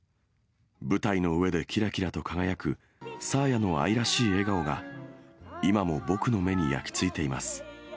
舞台の上できらきらと輝く、さーやの愛らしい笑顔が、今も僕の目に焼き付いています。